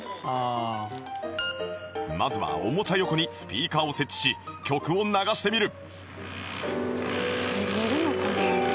まずはおもちゃ横にスピーカーを設置し曲を流してみる